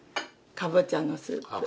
「かぼちゃのスープ？」